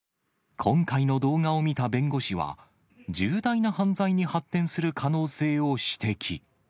今回の動画を見た弁護士は、重大な犯罪に発展する可能性を指摘。